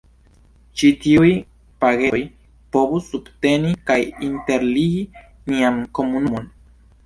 Ĉi tiuj “pagetoj” povus subteni kaj interligi nian komunumon.